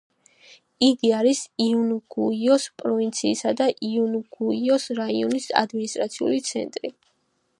იგი არის იუნგუიოს პროვინციის და იუნგუიოს რაიონის ადმინისტრაციული ცენტრი.